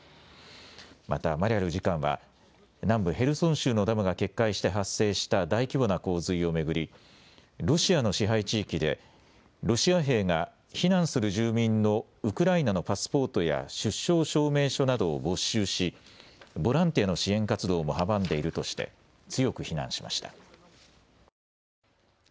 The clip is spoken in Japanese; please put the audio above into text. またマリャル次官は南部ヘルソン州のダムが決壊して発生した大規模な洪水を巡り、ロシアの支配地域でロシア兵が避難する住民のウクライナのパスポートや出生証明書などを没収しボランティアの支援活動も阻んでいるとして強く非難しました。